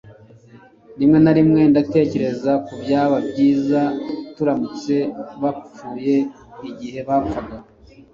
rimwe na rimwe ndatekereza ko byaba byiza turamutse bapfuye igihe bapfaga